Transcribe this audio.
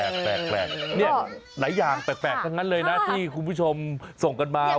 แปลกเนี่ยหลายอย่างแปลกทั้งนั้นเลยนะที่คุณผู้ชมส่งกันมา